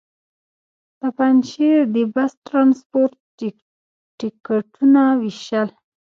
د پنجشېر د بس ټرانسپورټ ټکټونه وېشل.